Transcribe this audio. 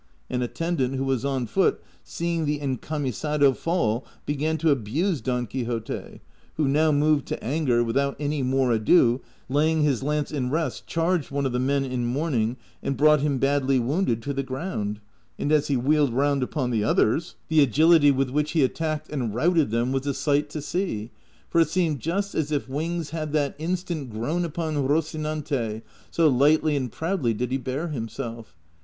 An attendant who was on foot, seeing the en camisado fall began to abuse Don Quixote, who now moved to anger, without any more ado, laying his lance in rest charged one of the men in mourning and brought him badly wounded to the ground, and as he wheeled round upon the others the Vol. I. — 9 130 DON QUIXOTE. agility with which he attacked and routed them was a sight to see, for it seemed just as if wings had that instant grown upon Rocinante, so lightly and proudly did he bear himself.